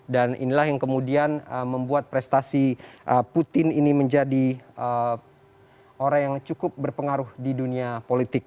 dan inilah yang kemudian membuat prestasi putin ini menjadi orang yang cukup berpengaruh di dunia politik